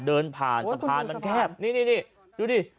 เดินผ่านสะพานมันแคบนี่ดูดิ